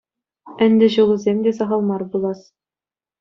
Ӗнтӗ ҫулусем те сахал мар пулас.